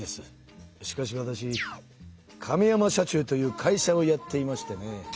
しかしわたし亀山社中という会社をやっていましてね。